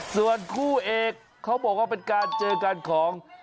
ส่วนคู่เอกเขาบอกว่าเป็นการเจอกันของ